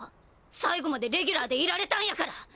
最後までレギュラーでいられたんやから！